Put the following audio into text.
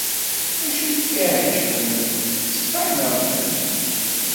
Acu i k-iɛeǧben, tteffaḥ neɣ lbanan?